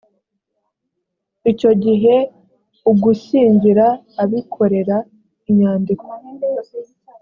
icyo gihe ugushyingira abikorera inyandiko